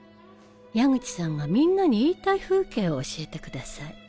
矢口さんがみんなに言いたい風景を教えてください。